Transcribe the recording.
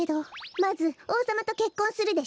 まずおうさまとけっこんするでしょ。